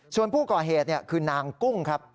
ส่วนผู้ก่อเหตุคือนางกุ้งครับ